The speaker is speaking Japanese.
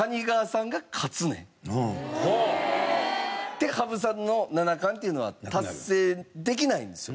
で羽生さんの七冠っていうのは達成できないんですよ。